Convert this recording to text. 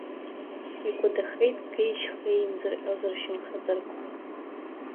Икәадахеит геи-шьхеи еимзырҟьоз ршьамхы ҵарқәа.